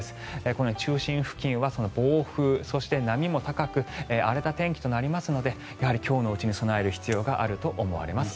このように中心付近は暴風そして波も高く荒れた天気となりますのでやはり今日のうちに備える必要があると思われます。